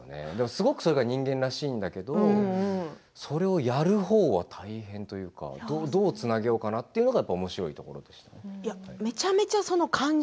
すごくそれが人間らしいんだけれどもそれをやるほうは大変というかどうつなげようかなというのがおもしろいところでしたね。